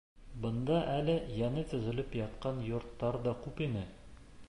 Бында әле яңы төҙөлөп ятҡан йорттар ҙа күп ине.